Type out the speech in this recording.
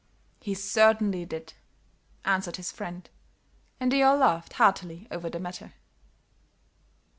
"He certainly did," answered his friend, and they all laughed heartily over the matter.